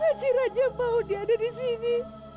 haji raja mau dia ada disini